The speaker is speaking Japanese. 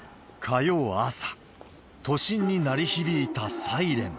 火曜朝、都心に鳴り響いたサイレン。